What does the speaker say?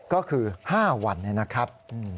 ก็คือ๕วันนะครับ